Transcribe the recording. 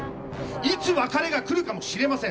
いつ別れが来るかもしれません。